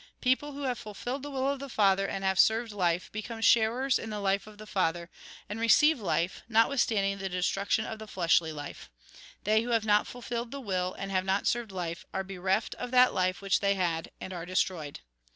People who have fulfilled the will of the Father, and have served life, become sharers in the Ufe of the Father, and receive 68 THE GOSPEL IN BRIEF life, notwithstanding the destruction of the fleshly life. They who have not fulfilled the will, and have not served life, are bereft of that life which they had, and are destroyed.